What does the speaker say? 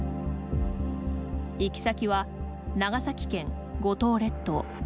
行き先は、長崎県五島列島